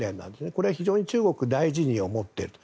これは非常に中国は大事に思っていると。